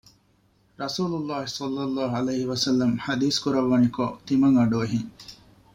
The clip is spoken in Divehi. ރަސޫލު ﷲ ﷺ ޙަދީޘް ކުރައްވަނިކޮށް ތިމަން އަޑު އެހިން